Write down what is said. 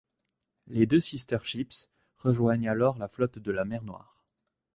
Les deux sister-ships rejoignent alors la flotte de la mer Noire.